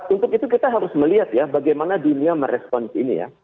untuk itu kita harus melihat ya bagaimana dunia merespons ini ya